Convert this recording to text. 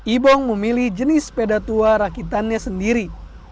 ibong memilih jenis sepeda tua rakitannya sendiri